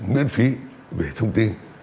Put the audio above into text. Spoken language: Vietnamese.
miễn phí về thông tin